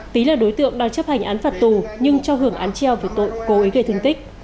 tý là đối tượng đang chấp hành án phạt tù nhưng cho hưởng án treo về tội cố ý gây thương tích